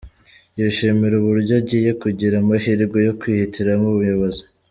Yishimira uburyo agiye kugira amahirwe yo kwihitiramo umuyobozi.